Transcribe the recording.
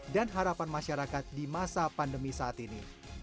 dan harapan masyarakat di masa pandemi saat ini